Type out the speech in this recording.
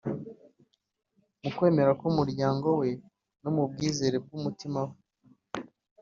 mukwemera k’umuryango we no mu bwizere bw’umutima we